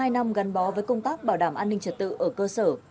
một mươi năm gắn bó với công tác bảo đảm an ninh trật tự ở cơ sở